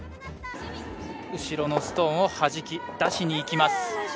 後ろのストーンをはじき出しにいきます。